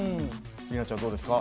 里奈ちゃんどうですか？